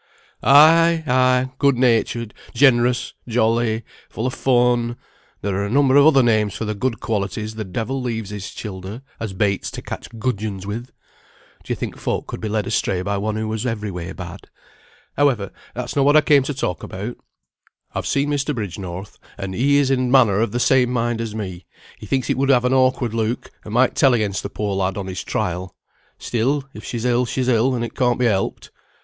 "Ay, ay! good natured, generous, jolly, full of fun; there are a number of other names for the good qualities the devil leaves his childer, as baits to catch gudgeons with. D'ye think folk could be led astray by one who was every way bad? Howe'er, that's not what I came to talk about. I've seen Mr. Bridgenorth, and he is in a manner of the same mind as me; he thinks it would have an awkward look, and might tell against the poor lad on his trial; still if she's ill she's ill, and it can't be helped."